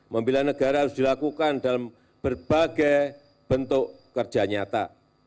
membela negara harus dilakukan dalam berbagai bentuk kerja nyata